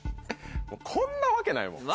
こんなわけないもん。